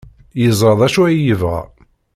Yeẓra d acu ay yebɣa.